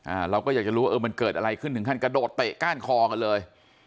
เราก็อยากจะรู้ว่าเออมันเกิดอะไรขึ้นถึงขั้นกระโดดเตะก้านคอกันเลย